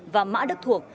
và mã đức thuộc